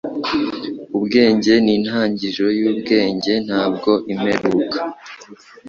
Ubwenge nintangiriro yubwenge, ntabwo imperuka.